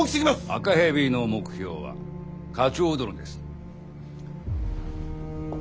赤蛇の目標は課長殿です。